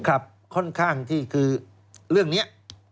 ค่อนข้างที่คือเรื่องนี้